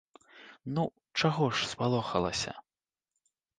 Ну, чаго ж спалохалася?